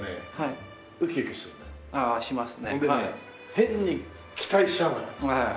変に期待しちゃうのよ。